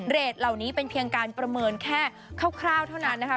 เหล่านี้เป็นเพียงการประเมินแค่คร่าวเท่านั้นนะคะ